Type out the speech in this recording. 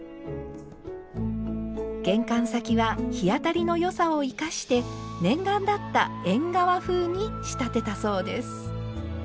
玄関先は日当たりの良さを生かして念願だった縁側風に仕立てたそうです。